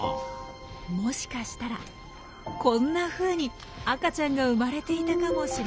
もしかしたらこんなふうに赤ちゃんが生まれていたかもしれません。